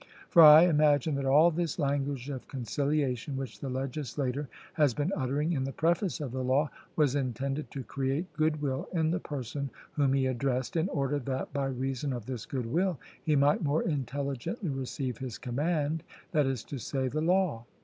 For I imagine that all this language of conciliation, which the legislator has been uttering in the preface of the law, was intended to create good will in the person whom he addressed, in order that, by reason of this good will, he might more intelligently receive his command, that is to say, the law.